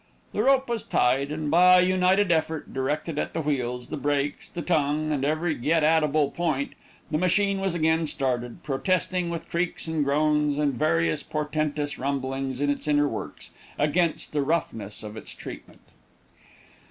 The rope was tied, and by a united effort directed at the wheels, the brakes, the tongue, and every get at able point, the machine was again started, protesting, with creaks, and groans, and various portentous rumblings in its inner works, against the roughness of its treatment.